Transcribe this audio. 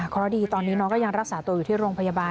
เพราะดีตอนนี้น้องก็ยังรักษาตัวอยู่ที่โรงพยาบาล